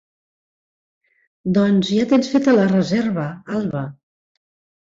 Doncs ja tens feta la reserva, Alba.